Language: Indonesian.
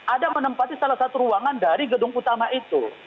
ada menempati salah satu ruangan dari gedung utama itu